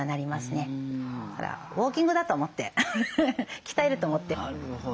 ウォーキングだと思って鍛えると思って。